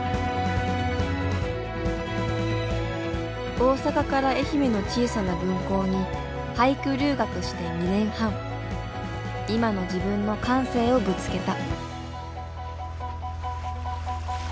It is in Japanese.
大阪から愛媛の小さな分校に「俳句留学」して２年半今の自分の感性をぶつけた。